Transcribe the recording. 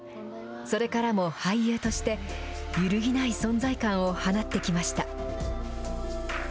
それからも俳優として、揺るぎない存在感を放ってきました。